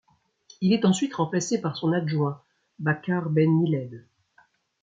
Il est ensuite remplacé par son adjoint Baccar Ben Miled.